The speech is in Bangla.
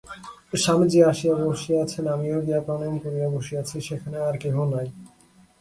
স্বামীজী আসিয়া বসিয়াছেন, আমিও গিয়া প্রণাম করিয়া বসিয়াছি, সেখানে আর কেহ নাই।